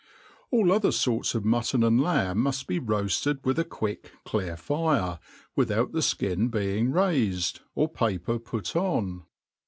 All other forts of, mutton and lamb muft be roafted *witb a quick, clear fire, without the fkin being raifed, or paper put on.